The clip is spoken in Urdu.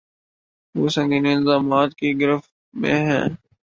وہ سنگین الزامات کی گرفت میں ہیں۔